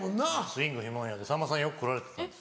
スイング碑文谷でさんまさんよく来られてたんです。